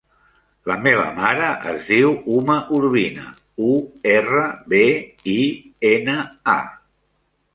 La meva mare es diu Uma Urbina: u, erra, be, i, ena, a.